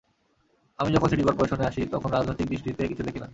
আমি যখন সিটি করপোরেশনে আসি, তখন রাজনৈতিক দৃষ্টিতে কিছু দেখি না।